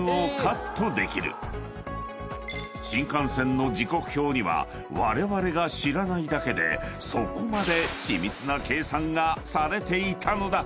［新幹線の時刻表にはわれわれが知らないだけでそこまで緻密な計算がされていたのだ］